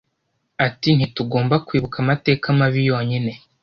Ati “Ntitugomba kwibuka amateka mabi yonyine